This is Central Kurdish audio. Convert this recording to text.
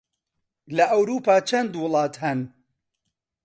لە ئەورووپا چەند وڵات هەن؟